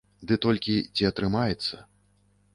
Ды толькі ці атрымаецца?